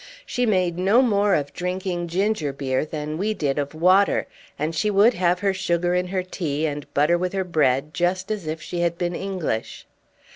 She made no more of drinking ginger beer than we did of water, and she would have her sugar in her tea and butter with her bread just as if she had been English.